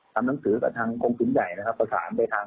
ทำหนังสือกับทางกรมศูนย์ใหญ่นะครับประสานไปทาง